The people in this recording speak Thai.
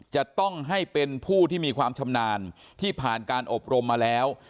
จะต้องให้เป็นผู้ที่มีความชำนาญที่ผ่านการอบรมมาแล้ว